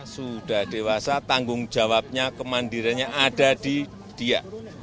sudah dewasa tanggung jawabnya kemandiriannya ada di dia